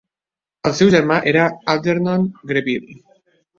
El seu germà era Algernon Greville.